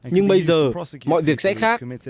nhưng bây giờ mọi việc sẽ khác